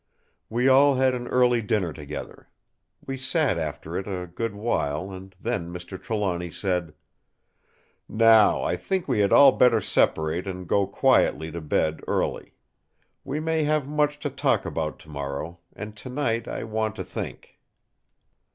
We all had an early dinner together. We sat after it a good while, and then Mr. Trelawny said: "Now, I think we had all better separate and go quietly to bed early. We may have much to talk about tomorrow; and tonight I want to think."